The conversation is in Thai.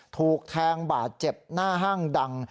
ถูกแทงบาดเจ็บหน้าห้างดัง